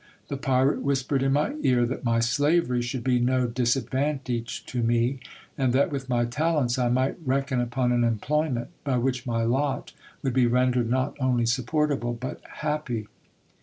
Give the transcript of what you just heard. The pirate whispered in my ear, that my slavery should be no disadvantage to me ; and that with my talents I might reckon upon an employment, by which my lot would be rendered not only supportable, but happy.